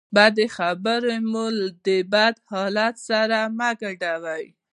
بدې خبرې مو د بد حالت سره مه ګډوئ.